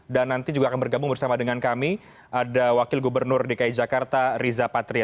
dan nanti juga akan bergabung bersama dengan kami ada wakil gubernur dki jakarta riza patria